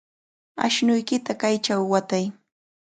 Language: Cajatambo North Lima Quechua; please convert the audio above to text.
Ashnuykita kaychaw watay.